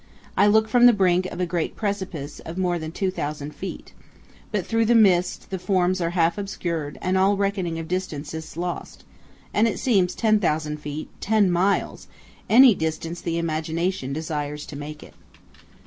I look from the brink of a great precipice of more than 2,000 feet; but through the mist the forms are half obscured and all reckoning of distance is lost, and it seems 10,000 feet, ten miles any distance the imagination desires to make it.